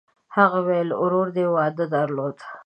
هغه وویل: «ورور دې واده درلود؟»